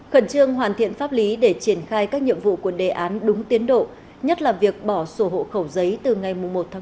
khẩn trương hoàn thiện pháp lý để triển khai các nhiệm vụ của đề án đúng tiến độ nhất là việc bỏ sổ hộ khẩu giấy từ ngày một một hai nghìn hai mươi ba